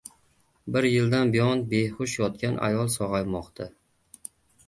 Bir yildan buyon behush yotgan ayol sog‘aymoqda